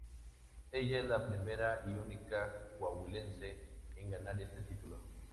Ella es la primera y única Coahuilense en ganar este título.